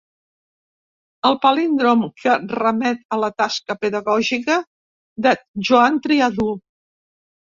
El palíndrom que remet a la tasca pedagògica de Joan Triadú.